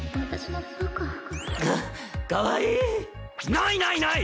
ないないない！